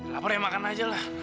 lapor ya makan aja lah